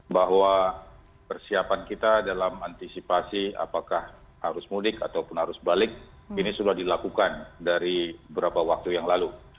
bahwa persiapan kita dalam antisipasi apakah arus mudik ataupun arus balik ini sudah dilakukan dari beberapa waktu yang lalu